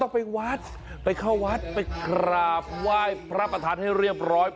ไปเข้าวัดไปกราบว่ายพระประธานให้เรียบร้อย